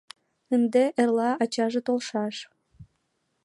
Ынде эрла ачаже толшаш.